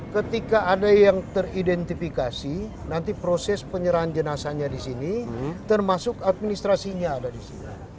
ketika ada yang teridentifikasi nanti proses penyerahan jenazahnya di sini termasuk administrasinya ada di sini